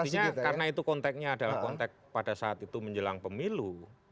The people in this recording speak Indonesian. artinya karena itu konteknya adalah kontek pada saat itu menjelang pemilu